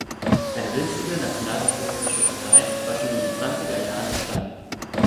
Eine winzige Nationalsozialistische Partei war schon in den zwanziger Jahren entstanden.